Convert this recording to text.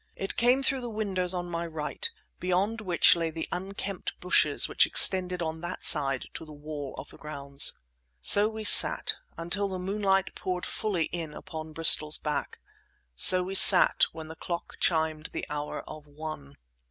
It came through the windows on my right, beyond which lay the unkempt bushes which extended on that side to the wall of the grounds. So we sat, until the moonlight poured fully in upon Bristol's back. So we sat when the clock chimed the hour of one.